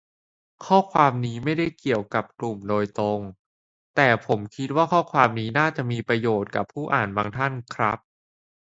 ข้อความนี้ไม่ได้เกี่ยวกับกลุ่มโดยตรง แต่ผมคิดว่าข้อความนี้น่าจะมีประโยชน์กับผู้อ่านบางท่านครับ